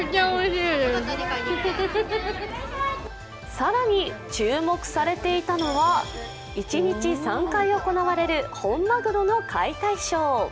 更に注目されていたのは一日３回行われる本マグロの解体ショー。